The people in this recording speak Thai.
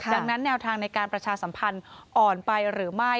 ดังนั้นแนวทางในการประชาสัมพันธ์อ่อนไปหรือไม่